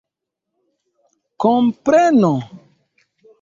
kompreno